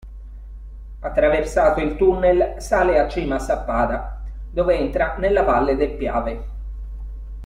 Attraversato il tunnel sale a Cima Sappada, dove entra nella valle del Piave.